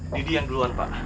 didi yang duluan pak